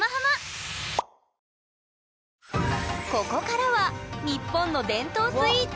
ここからは日本の伝統スイーツ和菓子！